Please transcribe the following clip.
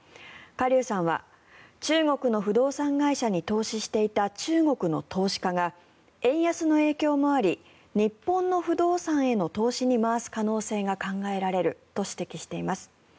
カ・リュウさんは中国の不動産会社に投資していた中国の投資家が円安の影響もあり日本の不動産への投資に回す可能性が考えられると指摘しています。